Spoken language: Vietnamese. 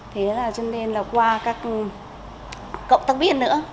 thế là cho nên là qua các cộng tác viên nữa